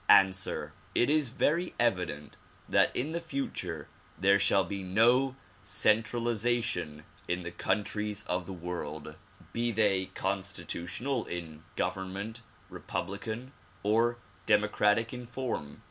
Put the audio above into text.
Ansiver: It is very evident that in the future there shall be no centralization in the countries of the world, be they constitu 162 THE PROMULGATION OF UNIVERSAL PEACE tional in government, republican or democratic in form.